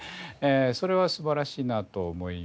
それは素晴らしいなと思いました。